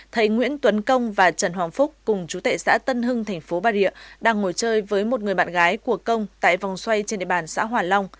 thấy nguyễn tuấn công và trần hoàng phúc cùng chú tệ xã tân hưng thành phố bà rịa đang ngồi chơi với một người bạn gái của công tại vòng xoay trên địa bàn xã hòa long